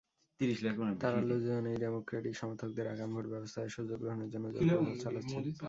তাঁরা দুজনেই ডেমোক্রেটিক সমর্থকদের আগাম ভোটব্যবস্থার সুযোগ গ্রহণের জন্য জোর প্রচার চালাচ্ছেন।